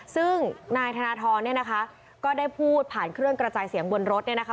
ซึ่งนายธนทรเนี่ยนะคะก็ได้พูดผ่านเครื่องกระจายเสียงบนรถเนี่ยนะคะ